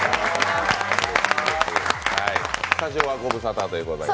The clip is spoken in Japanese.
スタジオはご無沙汰ということで。